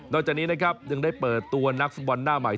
จากนี้นะครับยังได้เปิดตัวนักฟุตบอลหน้าใหม่